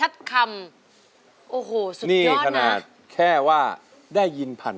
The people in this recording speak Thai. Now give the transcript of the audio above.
สุขธรรม